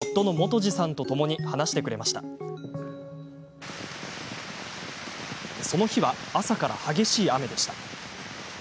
その日は、朝から激しい雨でした。